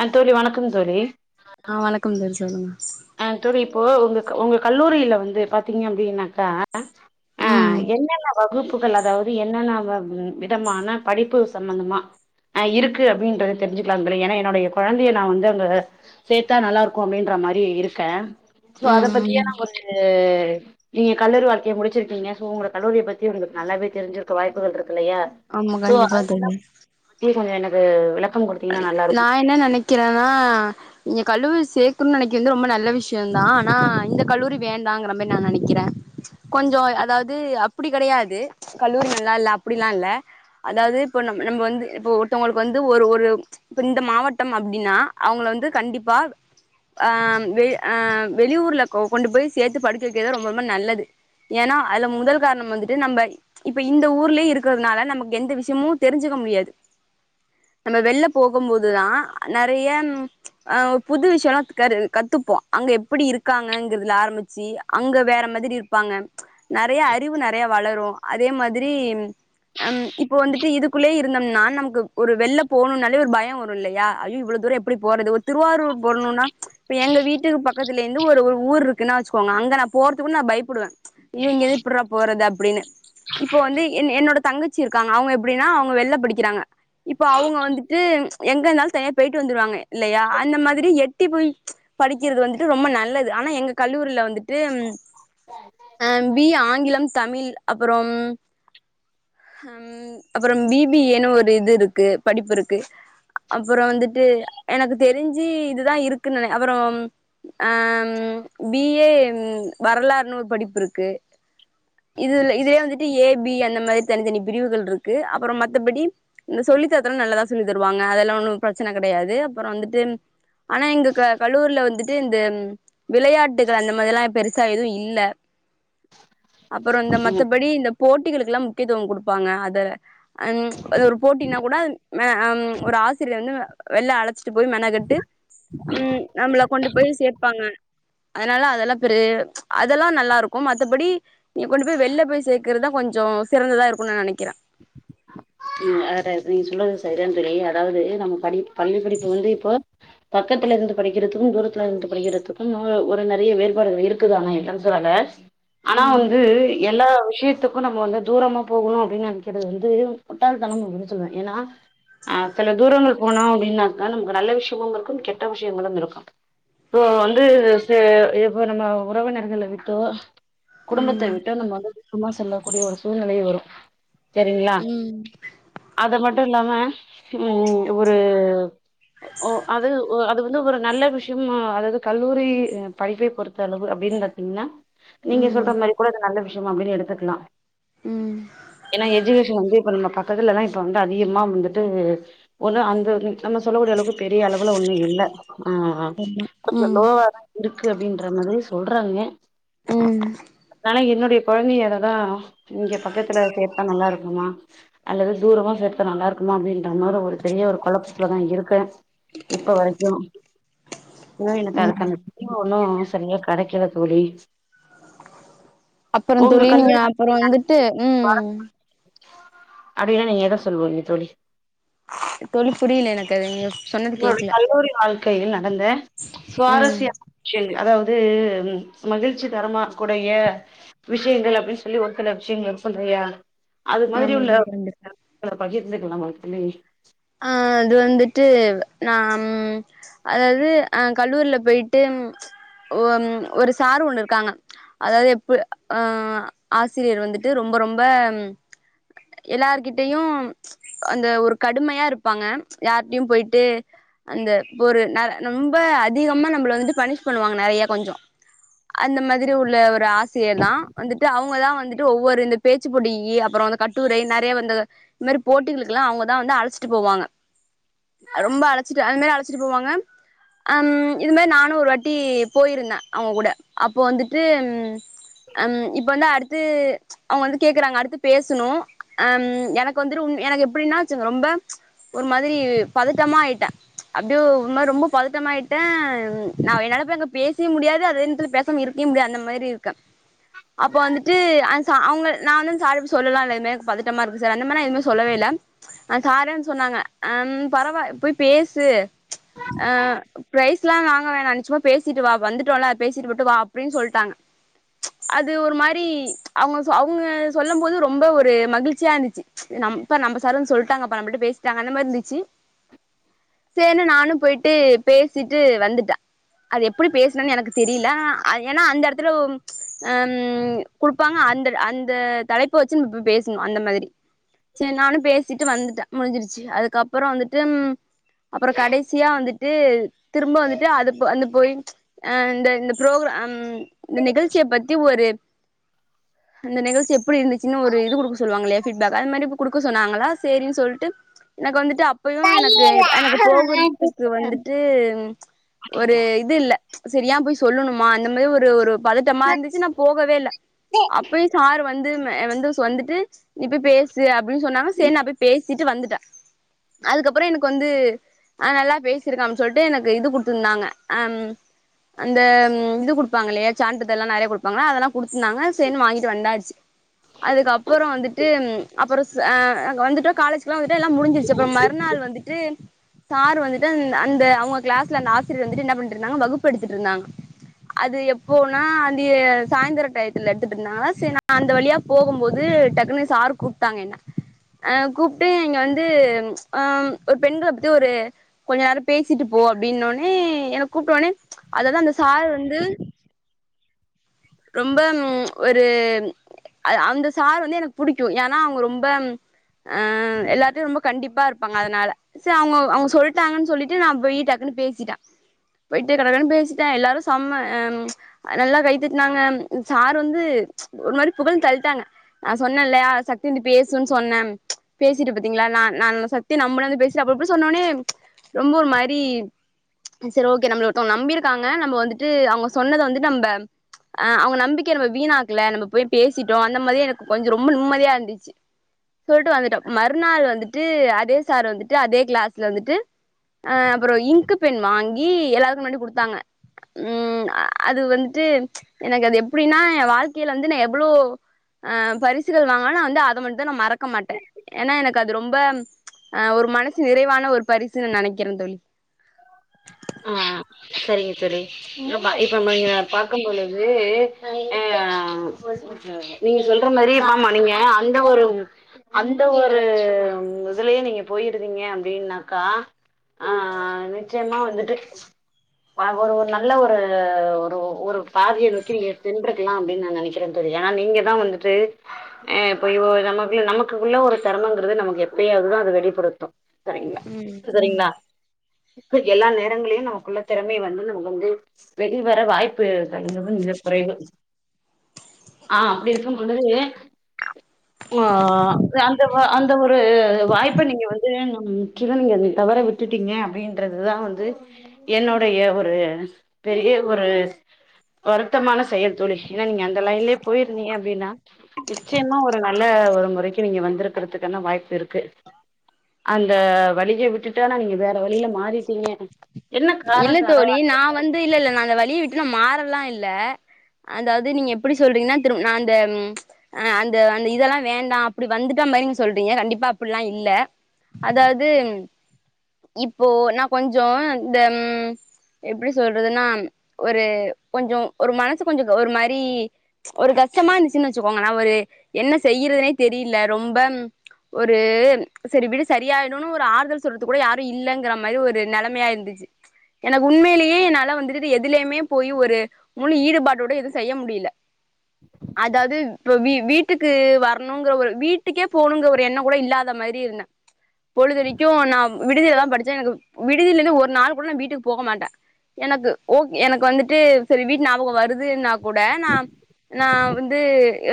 அ தோழி வணக்கம் தோழி ஆ வணக்கம் தொழி சொல்லுங்க அ தொழி இப்போ உங்க உங்க கல்லூரியில வந்து பாத்தீங்க அப்டின்னாக்கா ஆ ம் என்னென்ன வகுப்புகள் அதாது என்னென்ன விதமான படிப்பு சம்பந்தமா ஆ இருக்கு அப்டின்றது தெரிஞ்சுக்கலாதளே ஏன்னா என்னுடைய கொழந்தைய நா வந்து அங்க சேத்தா நல்லா இருக்கு அப்டின்ற மாரி இருக்கே சோ அத ம் பத்தியே ம் நா கொஞ்சு நீங்க கல்லூரி வாழ்க்கைய முடிச்சிருக்கீங்க சோ உங்க கல்லூரிய பத்தி ஒங்களுக்கு நல்லாவே தெரிஞ்சிருக்க வாய்ப்புகள் இருக்கு இல்லையா ஆமா சோ கண்டிப்பா அதுனால தோழி தி கொஞ்சோ எனக்கு விளக்கங் கொடு நா என்ன நெனைக்கிறேன்னா நீங்க கல்லூரி சேக்கண்னு நெனைக்கு வந்து ரொம்ப நல்ல விஷயோ தா ஆனா இந்த கல்லூரி வேண்டாங்கிறமேரி நா நெனைக்கிறே கொஞ்சோ அதாது அப்டி கெடையாது கல்லூரி நல்லா இல்ல அப்டிலா இல்ல அதாது இப்ப நம் நம்ம வந்து இப்ப ஒருத்தவங்களுக்கு வந்து ஒரு ஒரு இப்ப இந்த மாவட்டம் அப்டின்னா அவுங்கள வந்து கண்டிப்பா ஆ வெ ஆ வெளியூர்ல கொ கொண்டு போய் சேத்து படிக்க வைக்கிறதே ரொம்ப ரொம்ப நல்லது ஏன்னா அதுல முதல் கார்ணோ மந்துட்டு நம்ம இப்ப இந்த ஊர்லே இருக்கிறதுனால நமக்கு எந்த விஷ்யமு தெரிஞ்சிக்க முடியாது நம்ம வெள்ல போகும்போது தா நெறையன் ஆ புது விஷ்யலா கரு கத்துப்போ அங்க எப்டி இருக்காங்கங்கிறதுல ஆரம்மிச்சு அங்க வேற மாதிரி ப்பாங்க நெறையா அறிவு நெறையா வளரு அதே மாதிரி அம் இப்போ வந்துட்டு இதுக்குள்ளே இருந்தம்னா நமக்கு ஒரு வெள்ல போணுனால் வே ஒரு பய வரு இல்லையா ஐயோ இவ்ளோ தூர எப்டி போறது ஒரு திருவாரூர் போணுனா இப்ப எங்க வீட்டுக்கு பக்கத்திலே வந்து ஒரு ஒரு ஊர் இருக்குனா வச்சுக்கோங்க அங்க நா போறத்துக்குள்ள நா பயப்புடுவ இவங்கிது எப்புட்றா போறது அப்டின்னு இப்போ வந்து என் என்னோட தங்கச்சி இருக்காங்க அவ்ங்க எப்டினா அவ்ங்க வெள்ல படிக்கிறாங்க இப்ப அவ்ங்க வந்து து எங்க இருந்தாலு தனியா போயிட்டு வந்துருவாங்க இல்லையா அந்த மாதிரி எட்டி போய் படிக்கிறது வந்துட்டு ரொம்ப நல்லது ஆனா எங்க கல்லூரில வந்துட்டு ஆ பி ஏ ஆங்கிலம் தமிழ் அப்பறம் ஹம் அப்பற பி பி ஏ ன்னு ஒரு இது இருக்கு படிப்பு இருக்கு அப்பற வந்துட்டு எனக்கு தெரிஞ்சு இதுதா இருக்குன் நென அப்பறம் ஆம் பி ஏ வரலாறு ன்னு ஒரு படிப்பு இருக்கு இதுல இதுலே வந்துட்டு ஏ பி அந்த மாரி தனித்தனி பிரிவுகள் இருக்கு அப்பற மத்தபடி இந்த சொல்லித்தரத்துலா நல்லாதா சொல்லி தருவாங்க அதெல்லா ஒன்னு பிரச்சன கெடையாது அப்பற வந்துட்டு ஆனா எங்க க கல்லூரில வந்துட்டு இந்த விளையாட்டுகள் அந்த மாதிரிலா பெருசா எதுவு இல்ல அப்பறோ இந்த மத்தபடி இந்த போட்டிகளுக்குலா முக்கியத்துவ குடுப்பாங்க அதல அன் அது ஒரு போட்டினா கூட மே அம் ஒரு ஆசிரியர் வந்து வெள்ல அழைச்சிட்டு போய் மெனக்கட்டு ம் நம்பள கொண்டு போய் சேப்பாங்க அதனால அதெல்லா பெரு அதெல்லா நல்லா இருக்கு மத்தபடி நீங்க கொண்டு போய் வெள்ல போய் சேக்குறது தா கொஞ்ச சிறந்ததா இருக்குனு நா நெனக்கிறே ம் அ ற நீங்க சொல்றது செரி தா தோழி அதாவது நம்ம படிப் பள்ளி படிப்பு வந்து இப்போ பக்கத்துலருந்து படிக்கிறதுக்கு தூரத்துலருந்து படிக்கிறதுக்கு அ ஒரு நெறைய வேறுபாடுகள் இருக் க்கு தானா இல்லனு சொல்லல ஆனா ம் வந்து எல்லா விஷ்யத்துக்கு நம்ம வந்து தூரமா போகணு அப்டின் நெனக்கிறது வந்து முட்டாள்த்தனம் அப்டின்தா சொல்லுவே ஏனா ஆ சில தூரங்கள் போனோ அப்டின்னாக்கா நமக்கு நல்ல விஷ்யமும் இருக்கு கெட்ட விஷ்யங்களும் இருக்கு இப்போ வந்து சே இப்போ நம்ம உறவினர்கள விட்டோ குடும்பத்த ம் விட்டு நம்ம [inaudible] க்கமா செல்லக்கூடிய ஒரு சூழ்நிலை வரு செரிங்ளா ம் அது மட்டு இல்லாம ம் ஒரு ஓ ஓ அது ஓ அது வந்து ஒரு நல்ல விஷ்யமு அதாவ்து கல்லூரி அ படிப்பை பொறுத்தளவு அப்டின் பாத் திங்னா நீங்க சொல்ற ம் மாரி கூட அது நல்ல விஷ்யம் அப்டின் எடுத்துக்கலா ம் ஏனா எஜுகேஷன் வந்து இப்ப நம்ம பக்கத்துல தா இப்ப வந்து அதிகமா வந்துட்டு ஒன்னு அந்த இது நம்ம சொல்லக்கூடிய அளவுக்கு பெரிய அளவுல ஒன்னு இல்ல ஆ ஆமா கொஞ்ச ம் லோவா தா இருக்கு அப்டின்ற மாதிரி சொல்றாங்க ம் ஆனா என்னுடைய கொழந்தைகளலா இங்க பக்கத்துல சேத்தா நல்லாருக்குமா அல்லது தூரமா சேத்தா நல்லாருக்குமா அப்டின்ற மாரி ஒரு பெரிய ஒரு கொழப்பத்துல நா இருக்கே இப்ப வரைக்கு இன்னு எனக்கு ம் அதுக்கான இன்னு ஒன்னு சரியா கெடைக்கல தோழி அப்பற உங்க தோழி நீங்க கல்லூரி அப்பற வந்துட்டு ம் அப்டின்னா நீங்க எத சொல்வீங்க தோழி தோழி புரில எனக்கதுங்க உங்களுடைய கல்லூரி வாழ்க்கையில் நடந்த ம் சுவாரஸ்ய விஷயங்கள் அதாவது மகிழ்ச்சிகரமாக்குடைய விஷயங்கள் அப்டின் சொல்லி ஒரு சில விஷயங்கள் சொல்றியா அது மாதிரி ஆமா உள்ள ஆமா கண்டிப்பா [inaudible] அத மாரி இருந்துகணு நமது பிள்ளையை ஆ அது வந்துட்டு நா ம் அதாவது ஆ கல்லூரில போய்ட்டு ஒ ஒரு சாரு ஒன்னுருக்காங்க அதாவது எப்ப அ ஆசிரியர் வந்துட்டு ரொம்ப ரொம்ப எல்லார்கிட்டயு அந்த ஒரு கடுமையா இருப்பாங்க யார்ட்டயு போய்ட்டு அந்த ஒரு ந நொம்ப அதிகமா நம்மள வந்து பணிஷ் பண்ணுவாங்க நெறய கொஞ்சோ அந்த மாதிரி உள்ள ஒரு ஆசிரியர் தா வந்துட்டு அவுங்கதா வந்துட்டு ஒவ்வொரு இந்த பேச்சு போட்டிக்கி அப்றோ அந்த கட்டுரை நெறய வந்து இந்மாதிரி போட்டிகளுகெல்லா அவுங்கதா வந்து அழச்சி ட்ரு போவாங்க ரொம்ப அழச்சிட்டு அது மாரி அழச்சிட்டு போவாங்க அம் இது மாரி நானு ஒரு வாட்டி போயிருந்த அவுங்க கூட அப்போ வந்துட்டு ம் இப்போ வந்து அடுத்து அவுங்க வந்து கேக்குறாங்க அடுத்து பேசணு அம் எனக்கு வந்துட்டு உ எனக்கு எப்டின்னாச்சு ரொம்ப ஒரு மாதிரி பதட்டமாயிட்ட அப்டியே ஒரு மாரி ரொம்ப பதட்டமாயிட்டே நா என்னால அங்க போய் பேசவே முடியாது அதே நேரத்துல பேச சாம இருக்கயே முடியாது அந்த மாரி இருக்க அப்போ வந்துட்டு அந் கா அவுங்க நா வந்து சார்ட்டப்போய் சொல்லலான்ருந்த எனக்கு பதட்டமாருக்கு சார் அந்த மாரிலா எதுமே சொல்லவே இல்ல அந்த சாரே வந்து சொன்னாங்க அம் பரவா போய் பேசு ஆ ப்ரைஸ்லா வாங்க வேணா நீ சும்மா பேசிட்டு வா வந்துட்டோல்ல பேசிட்டு மட்டு வா அப்டின் சொல்ட்டாங்க அது ஒரு மாரி அவுங்க சொ அவுங்க சொல்ல போது ரொம்ப ஒரு மகிழ்ச்சியாருந்துச்சு நம் பார் நம்ப சார் வந்து சொல்ட்டாங்கப்பா நம்மள்ட்ட பேசிட்டாங்க அந்த மார்ருந்துச்சி சேர்ன்னு நானு போய்ட்டு பேசிட்டு வந்துட்ட அது எப்டி பேசனுன் எனக்கு தெரியல ஏன்னா அந்த இடத்துல அம் குடுப்பாங்க அந்த அந்த தலைப்ப வச்சு நா போய் பேசணு அந்த மாதிரி சேரி நானு பேச ச்சிட்டு வந்துட்ட முடிஞ்சிருச்சு அதுக்கப்பற வந்துட்டு அப்பற கடைசியா வந்துட்டு திரும்ப வந்துட்டு அது அந்த போய் அ இந்த இந்த ப்ரோக்ராம் இந்த நிகழ்ச்சிய பத்தி ஒரு அந்த நிகழ்ச்சி எப்டி இருந்துச்சுன் ஒரு இது குடுக்க சொல்லுவாங்களே ஃபீட்பேக் அந்த மாரி இப்ப குடுக்க சொன்னாங்களா சேரின் சொல்ட்டு எனக்கு வந்துட்டு அப்பயு எனக்கு கையில எனக்கு போகறதுக்கு வந்துட்டு ஒரு இது இல்ல செரி ஏன் போய் சொல்லணுமா அந்த மாரி ஒரு ஒரு பதட்டமா மாட்டிக்கிட்டா இருந்துச்சு நா போகவே இல்ல அப்பயு சார் வந்து வந்து வந்துஸ் வந்துட்டு நீ போய் பேசு அப்டின் சொன்னாங்க சே நா போய் பேசிட்டு வந்துட்ட அதுக்கப்பற எனக்கு வந்து அ நல்லா பேசிருக்காம் சொல்ட்டு எனக்கு இது குடுத்துருந்தாங்க அம் அந்த இது குடுப்பாங்கல்லையா சான்றிதல்லா நெறய குடுப்பாங்களா அதெல்லா குடுத்துருந்தாங்க சேர்ன்னு வாங்கிட்டு வந்தாச்சு அதுக்கப்பறோ வந்துட்டு அப்பறோ ஆ அங்க வந்துட்டு காலேஜ்கல்லா வந்துட்டு எல்லா முடிஞ்சிருச்சு அப்றோ மறுநாள் வந்துட்டு சார் வந்துட்டு அந் அந்த அவுங்க கிளாஸ்ல அந்த ஆசிரியர் வந்துட்டு என்ன பண்ட்ருந்தாங்க வகுப்பு எடுத்துட்ருந்தாங்க அது எப்போனா அது சாயந்த்ர டயத்துல எடுத்துட்ருந்தாங்கலா செரி நா அந்த வழியா போகும்போது டக்குனு சார் கூப்ட்டாங்க என்ன ஆ கூப்ட்டு இங்க வந்து ஆ ஒர் பெண்கள பத்தி ஒரு கொஞ்ச நேரோ பேசிட்டு போ அப்டின்னோனே என்ன கூப்டோனே அதாவ்து அந்த சார் வந்து ரொம்ப ஒரு அ அந்த சாரு வந்து எனக்கு புடிக்கு ஏனா அவுங்க ரொம்ப ஆ எல்லாத்தையு ரொம்ப கண்டிப்பாரு ப்பாங்க அதனால சேர் அவுங்க அவுங்க சொல்ட்டாங்கன் சொல்லிட்டு நா போய் டக்குன்னு பேசிட்டே போய்ட்டு கடகடன்னு பேசிட்டே எல்லாரு செம்ம ஆ நல்லா கைத்த நாங்க சார் வந்து ஒரு மாரி புகழ்ந்தள்ட்டாங்க நா சொன்னேல்லயா சக்தி வந்து பேசுன் சொன்னே பேசிட்டு பாத்தீங்ளா நான் நான் சக்தி நம்மட வந்து பேசி அப்பஇப்டி சொன்னோனே ரொம்ப ஒரு மாரி செரி ஓகே நம்மள ஒருத்தோங்க நம்பியிருக்காங்க நம்ப வந்துட்டு அவுங்க சொன்னத வந்து நம்ப ஆ அவுங்க நம்பிக்கய நம்ம வீணாக்ல நம்ப போய் பேசிட்டோ அந்த மாரியே எனக்கு கொஞ்சொ ரொம்ப நிம்மதியா இருந்துச்சு சொல்ட்டு வந்துட்டே மற்நாள் வந்துட்டு அதே சார் வந்துட்டு அதே க்ளாஸ்ல வந்துட்டு ஆ அப்றோ‌ இங்க்கு பென் வாங்கி எல்லாருக்கு முன்னாடி குடுத்தாங்க ம் அது வந்துட்டு எனக்கு அது எப்டின்னா எ வாழ்க்கைல வந்து நா எவ்ளோ ஆ பரிசுகள் வாங்ன்னா நா வந்து அத மட்டு நா மறக்க மாட்டே ஏன்னா எனக்கு அது ரொம்ப ஆ ஒரு மனசு நிறைவான ஒரு பரிசுனு நெனைக்கிற தோழி ஆ செரிங்க தோழி ஆமா இப்ப [unintelligible] பார்க்கம்பொழுது ஆ நீங்க சொல்ற மாரி ஆமா நீங்க அந்த ஒரு அந்த ஒரு இதுலயே நீங்க போயிருந்தீங்க அப்டின்னாக்கா ஆ நிச்சயமா வந்துட்டு வா ஒரு ஒரு நல்ல ஒரு ஒரு ஒரு பாதய நோக்கி நீங்க சென்றுக்லா அப்டின் நா நெனை க்றே தோழி ஏனா நீங்க தா வந்துட்டு ஆ இப்ப யோ நமக்குள்ள நமக்குகுள்ள ஒரு தெறமங்கறது நமக்கு எப்பயாவ்து தா அது வெளிப்படுத்து செரி ம் செரிங்ளா இப்ப எல்லா நேரங்களையு நமக்குள்ள தெறமை வந்து நமக்கு வந்து வெளி வர வாய்ப்பு [unintelligible] மிக குறைவு ஆ அப்டி இருக்கும்பொழுது ஆ அந்த வ அந்த ஒரு வாய்ப்ப நீங்க வந்து நம் முற்றிலு நீங்க அத தவற விட் ட்டுட்டீங்க அப்டின்றதுதா வந்து என்னுடய ஒரு பெரிய ஒரு வருத்தமான செயல் தோழி ஏன்னா நீங்க அந்த லைன்லயே போய்ருந்தீங்க அப்டின்னா நிச்சயமா ஒரு நல்ல ஒரு முறைக்கு நீங்க வந்துருக்கறதுக்கான வாய்ப்பிருக்கு அந்த வழிய விட்டுட்டேனா நீங்க வேற வழில மாறிட்டீங்க என்ன காரோ இல்ல சார தோழி நா வந்து இல்ல இல்ல நா அந்த வழிய விட்டு நா மாறலா இல்ல அதாவ்து நீங்க எப்டி சொல்றீங்கன்னா திரும் நா அந்த ஆ அந்த அந்த இதெல்லா வேண்டா அப்டி வந்துட்ட மாரி நீங்க சொல்றீங்க கண்டிப்பா அப்டில்லா இல்ல அதாவ்து இப்போ நா கொஞ்சொ இந்த எப்டி சொல்றதுனா ஒரு கொஞ்சோ ஒரு மனசு கொஞ்சோ ஒரு மாரி ஒரு கஷ்டமா இருந்துச்சுன்னா வச்சுக்கோங்கள ஒரு என்ன செய்றதுனே தெரியில ரொம்ப ஒரு சரி விடு சரியாயிடுனு ஒரு ஆறுதல் சொல்றதுக்கு கூட யாரு இல்லங்கற மாரி ஒரு நெலமாயாருந்து சி எனக்கு உண்மையிலியே என்னால வந்துட்டு எதுலயுமே போய் ஒரு முழு ஈடுபாடோட எது செய்ய முடியில அதாவது இப்ப வீ வீட்டுக்கு வரணுங்கிற ஒரு இப்ப வீ வீட்டுக்கு வரனுங்கற ஒரு வீட்டுக்கே போணுங்கிற ஒரு எண்ண கூட இல்லாத மாதிரி இருந்த பொழுதனிக்கு நா விடுதில தா படிச்சே எனக்கு விடுதிலந்து ஒரு நாள் கூட நா வீட்டுக்கு போக மாட்ட எனக்கு ஓக் எனக்கு வந்துட்டு செரி வீட்டு ஞாபகோ வருதுன்னா கூட நா நா வந்து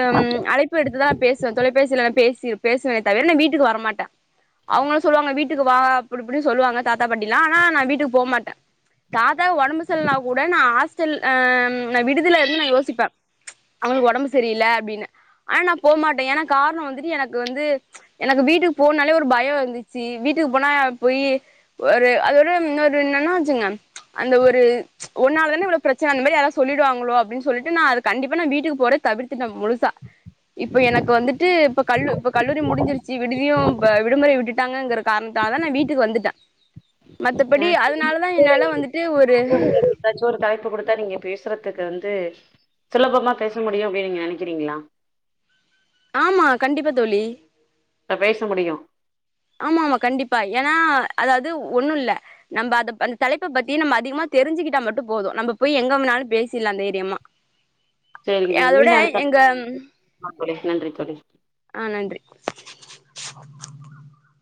அம் அழைப் இப்ப எடுத்துதா நா பேசுவே தொலைபேசில நா பேசி பேசுவனே தவிர நா வீட்டுக்கு வரமாட்ட அவுங்களு சொல்லுவாங்க வீட்டுக்கு வா அப்டி இப்டி சொல்லுவாங்க தாத்தா பாட்டிலா ஆனா நா வீட்டுக்கு போ மாட்டே தாதாக்கு ஒடம்பு செல்னா கூட நா ஹாஸ்டல் அ நா விடுதில இருந்து நா யோசிப்பே அவுங்களுக்கு ஒடம்பு செரியில்ல அப்டின்னு ஆனா நா போமாட்டே ஏனா காரணோ வந்துட்டு எனக்கு வந்து எனக்கு வீட்டுக்கு போனாலே ஒரு பயோ இருந்துச்சி வீட்டுக்கு போனா போயி ஒரு அதோட இன்னொரு என்னன்னா வச்சுங்க அந்த ஒரு உன்னால தான இவ்ளோ பிரச்சன அந்த மாரி யாராது சொல்லிடுவாங்களோ அப்டின் சொல்லிட்டு நா அத கண்டிப்ப நா வீட்டுக்கு போற தவிர்த்துட்ட முழுசா இப்ப எனக்கு வந்துட்டு இப்ப கல்லூ இப்ப கல்லூரி முடிஞ்சிருச் சி விடுதியு இப்ப விடுமுறை விட்டுட்டாங்கங்கற காரணத்தால நா வீட்டுக்கு வந்துட்டே மா ஆ படி அதனால தா என்னால வந்துட்டு ஒரு எதாச்சு ஒரு தலைப்பு குடுத்தா நீங்க பேசுறதுக்கு வந்து சுலபமா பேச முடியு அப்டின் நீங்க நினைக்கிறீங்களா நினைக்கிறீங்களா ஆமா கண்டிப்பா தோழி அ பேச முடியு ஆமா ஆமா கண்டிப்பா ஏனா அதாவது ஒண்ணுல்ல நம்ப அத அந்த தலைப்ப பத்தி நம்ம அதிகமா தெரிஞ்சுக்கிட்டா மட்டு போது நம்ப போய் எங்கம்னாலு பேசிர்லா தைரியமா செரிங்க தோழி அதோட மீண்டு அடுத்த எங்க [unintelligible] நன்றி தோழி ஆ நன்றி